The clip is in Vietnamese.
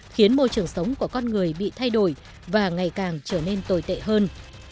khiến môi trường sống của con người bị thay đổi và ngày càng trở nên tồi tệ hơn